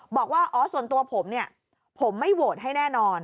บอกว่าอ๋อส่วนตัวผมเนี่ยผมไม่โหวตให้แน่นอน